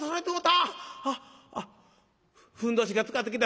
あっあっふんどしがつかってきた。